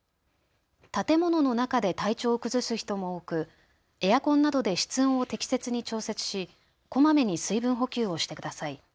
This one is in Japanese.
建物の中で体調を崩す人も多くエアコンなどで室温を適切に調節し、こまめに水分補給をしてください。